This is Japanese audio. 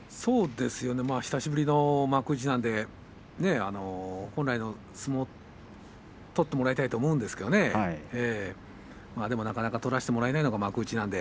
久しぶりの幕内なので本来の相撲を取ってもらいたいと思うんですけれどでもなかなか取らせてもらえないのが幕内なんで。